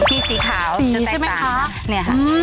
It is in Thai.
ที่สีขาวจะแตกต่างนี่ค่ะ